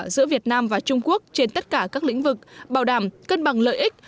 giữa việt nam và trung quốc trên tất cả các lĩnh vực bảo đảm cân bằng lợi ích